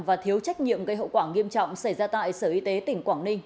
và thiếu trách nhiệm gây hậu quả nghiêm trọng xảy ra tại sở y tế tỉnh quảng ninh